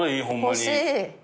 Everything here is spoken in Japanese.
欲しい。